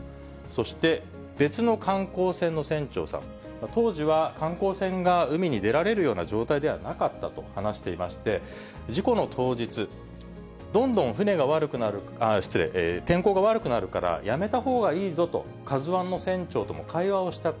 そして別の観光船の船長さん、当時は、観光船が海に出られるような状態ではなかったと話していまして、事故の当日、どんどん天候が悪くなるから、やめたほうがいいぞと、カズワンの船長とも会話をした。